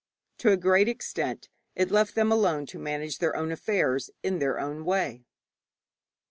To a great extent it left them alone to manage their own affairs in their own way.